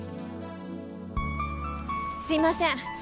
すいません。